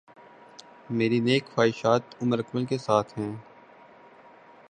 میری نیک خواہشات عمر اکمل کے ساتھ ہیں